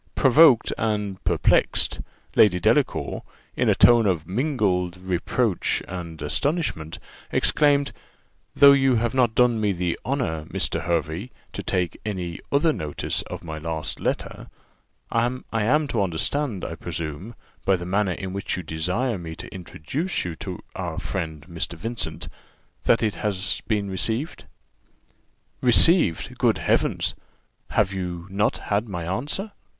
Provoked and perplexed, Lady Delacour, in a tone of mingled reproach and astonishment, exclaimed, "Though you have not done me the honour, Mr. Hervey, to take any other notice of my last letter, I am to understand, I presume, by the manner in which you desire me to introduce you to our friend Mr. Vincent, that it has been received." "Received! Good Heavens! have not you had my answer?"